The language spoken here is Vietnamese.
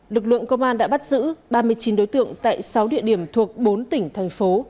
lực lượng công an đã bắt giữ ba mươi chín đối tượng tại sáu địa điểm thuộc bốn tỉnh thành phố